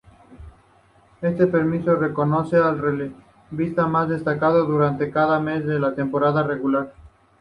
Este premio reconoce al relevista más destacado durante cada mes de la temporada regular.